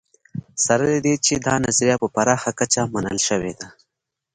سره له دې چې دا نظریه په پراخه کچه منل شوې ده